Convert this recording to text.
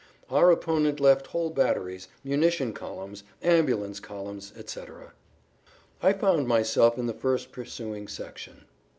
Our opponent left whole batteries, munition columns, ambulance columns, etc. I found myself in the first pursuing section.